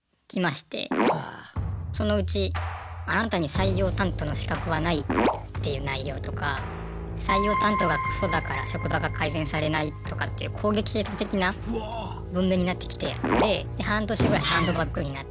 そのうち「あなたに採用担当の資格はない」っていう内容とか「採用担当がクソだから職場が改善されない」とかっていう攻撃的な文面になってきてで半年ぐらいサンドバッグになって。